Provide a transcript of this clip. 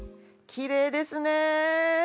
きれいですね。